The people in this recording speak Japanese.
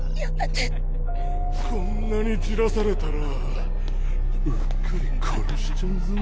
こんなにじらされたらうっかり殺しちゃうぞ？